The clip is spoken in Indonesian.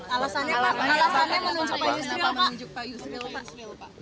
alasannya menunjuk pak yusril pak